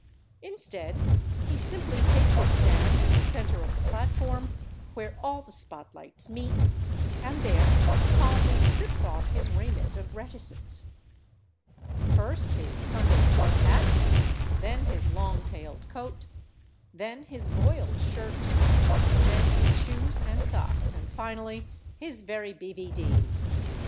Instead, he simply takes his stand in the center of the platform, where all the spotlights meet, and there calmly strips off his raiment of reticence—first his Sunday plug hat, then his long tailed coat, then his boiled shirt, then his shoes and socks, and finally his very B. V. D.'s.